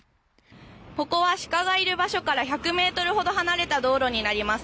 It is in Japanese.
ここは鹿がいる場所から１００ｍほど離れた道路になります。